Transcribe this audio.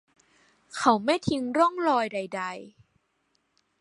เขาไม่ทิ้งร่องรอยใด ๆ